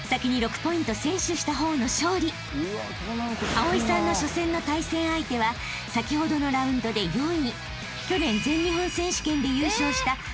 ［蒼さんの初戦の対戦相手は先ほどのラウンドで４位］